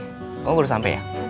kamu udah sampe ya